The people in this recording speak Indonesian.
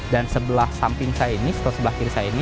dan sebelah samping saya ini atau sebelah kiri saya ini